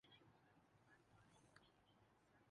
ہم مسلمان معاشرہ تھے۔